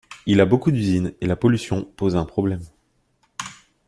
Il a beaucoup d'usines et la pollution pose un problème.